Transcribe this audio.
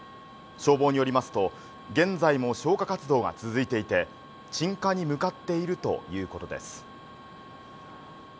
消防によりますと現在も消火活動が続いていて、鎮火に向かっているということです。